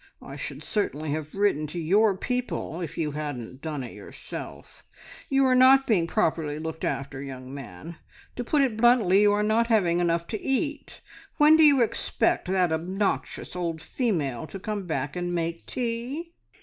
I should certainly have written to your people if you hadn't done it yourself. You are not being properly looked after, young man. To put it bluntly, you are not having enough to eat. When do you expect that obnoxious old female to come back and make tea?"